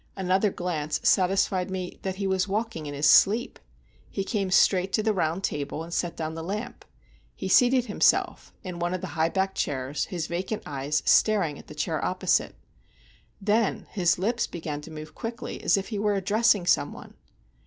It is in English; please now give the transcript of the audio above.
Another glance satisfied me that he was walking in his sleep. He came straight to the round table, and set down the lamp. He seated himself in one of the high backed chairs, his vacant eyes staring at the chair opposite; then his lips began to move quickly, as if he were addressing some one.